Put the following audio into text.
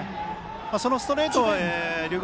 そのストレートを龍谷